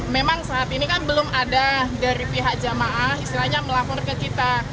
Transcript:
memang saat ini kan belum ada dari pihak jamaah istilahnya melapor ke kita